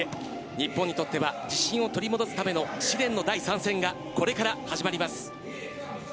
日本にとっては自信を取り戻すための試練の第３戦がこれから始まります。